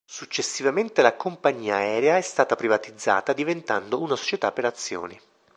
Successivamente la compagnia aerea è stata privatizzata diventando una società per azioni.